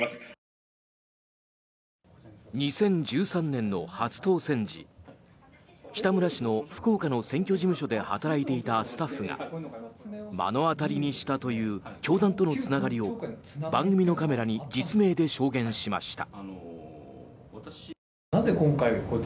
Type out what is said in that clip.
２０１３年の初当選時北村氏の福岡の選挙事務所で働いていたスタッフが目の当たりにしたという教団とのつながりを番組のカメラに実名で証言しました。